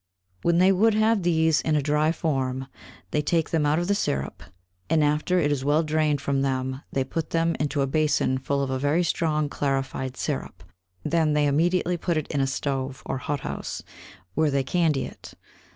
When they would have these in a dry Form, they take them out of the Syrup; and after it is well drained from them, they put them into a Bason full of a very strong clarify'd Syrup, then they immediately put it in a Stove, or Hot House, where they candy it.